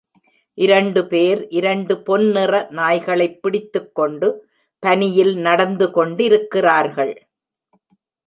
இரண்டு பேர் இரண்டு பொன்னிற நாய்களைப் பிடித்துக்கொண்டு பனியில் நடந்துகொண்டிருக்கிறார்கள்.